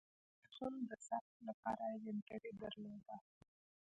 د تاریخونو د ثبت لپاره جنتري درلوده.